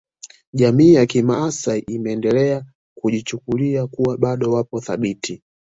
Jamii ya kimaasai imeendelea kujichukulia kuwa bado wapo thabiti